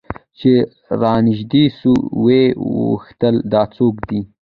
چې رانژدې سوه ويې پوښتل دا څوك دى؟